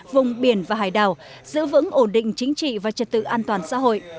vùng biển và hải đảo giữ vững ổn định chính trị và trật tự an toàn xã hội